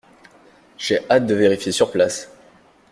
J’ai hâte de vérifier sur place.